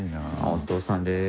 お父さんです。